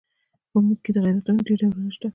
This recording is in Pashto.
په موږ کې د غیرتونو ډېر ډولونه شته.